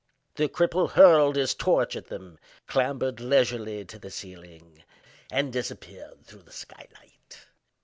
The cripple hurled his torch at them, clambered leisurely to the ceiling, and disappeared through the sky light.